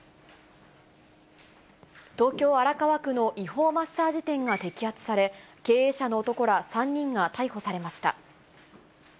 東京・荒川区の違法マッサージ店が摘発され、経営者の男ら３人が逮捕されました。